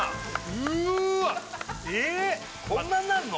うーわっこんなんなるの！？